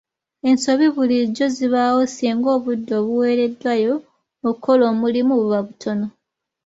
Ensobi bulijjo zibaawo singa obudde obuweereddwayo okukola omulimu buba butono.